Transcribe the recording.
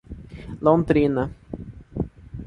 Londrina